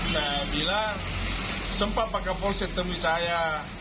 saya bilang sempat pakai polsi demi saya